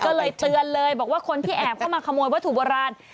ก็เลยเตือนเลยบอกว่าคนที่แอบเข้ามาขโมยวัตถุโบราณ